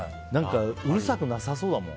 うるさくなさそうだもん。